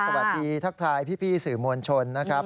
สวัสดีทักทายพี่สื่อมวลชนนะครับ